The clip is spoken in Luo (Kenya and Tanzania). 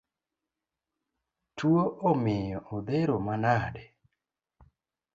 Tuo omiyo odhero manade?